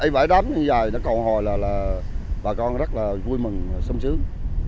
vài đám như vậy nó cầu hồi là bà con rất là vui mừng sống sướng